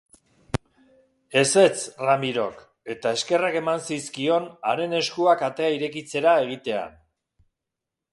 Ezetz, Ramirok, eta eskerrak eman zizkion haren eskuak atea irekitzera egitean.